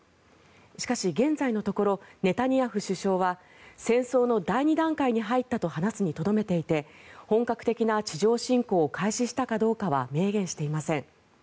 しかし、現在のところネタニヤフ首相は戦争の第２段階に入ったと話すにとどめていて本格的な地上侵攻を開始したかどうかは明言していません。